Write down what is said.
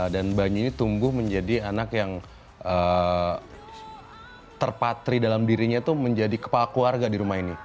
dan banyu ini tumbuh menjadi anak yang terpatri dalam dirinya tuh menjadi kepala keluarga di rumah ini